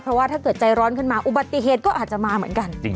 เพราะว่าถ้าเกิดใจร้อนขึ้นมาอุบัติเหตุก็อาจจะมาเหมือนกัน